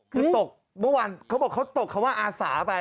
คือตกเมื่อวานเขาบอกเขาตกคำว่าอาสาไป